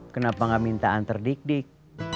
kenapa gak minta antar dik dik